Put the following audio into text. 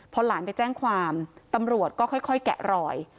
พอหลานไปแจ้งความตำรวจก็ค่อยแกะรอย